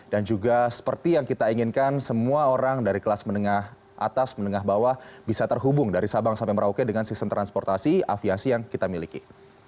dan juga seperti yang kita inginkan semua orang dari kelas menengah atas menengah bawah bisa terhubung dari sabang sampai merauke dengan sistem transportasi aviasi yang kita miliki